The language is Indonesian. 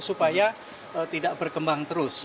supaya tidak berkembang terus